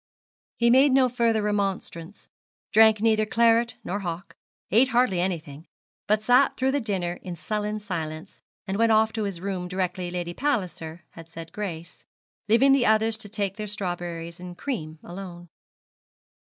He made no further remonstrance, drank neither claret nor hock, ate hardly anything, but sat through the dinner in sullen silence, and went off to his room directly Lady Palliser had said grace, leaving the others to take their strawberries and cream alone.